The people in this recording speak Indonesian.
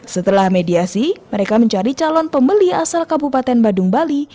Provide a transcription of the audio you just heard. setelah mediasi mereka mencari calon pembeli asal kabupaten badung bali